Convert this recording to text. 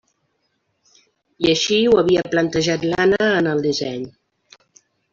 I així ho havia plantejat l'Anna en el disseny.